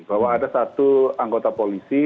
bahwa ada satu anggota polisi